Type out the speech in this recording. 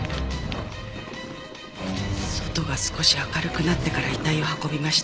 外が少し明るくなってから遺体を運びました。